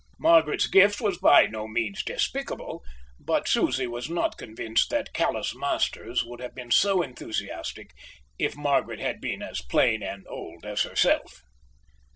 Margaret's gift was by no means despicable, but Susie was not convinced that callous masters would have been so enthusiastic if Margaret had been as plain and old as herself.